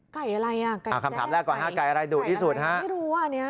ไก่อะไรไก่แรกไก่อะไรไม่รู้อันนี้